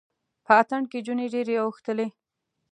په اتڼ کې جونې ډیرې اوښتلې